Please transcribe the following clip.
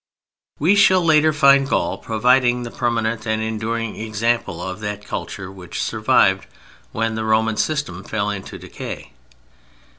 We shall later find Gaul providing the permanent and enduring example of that culture which survived when the Roman system fell into decay.